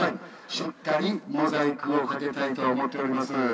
しっかりモザイクをかけたいと思っております。